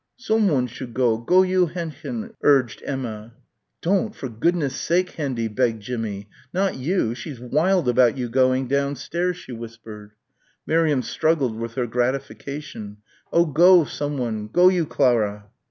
"Som one should go, go you, Henchen," urged Emma. "Don't, for goodness' sake, Hendy," begged Jimmie, "not you, she's wild about you going downstairs," she whispered. Miriam struggled with her gratification. "Oh go, som one; go you, Clara!"